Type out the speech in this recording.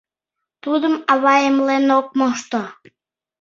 Тудым ава эмлен ок мошто.